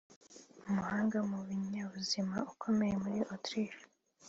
umuhanga mu binyabuzima ukomoka muri Autriche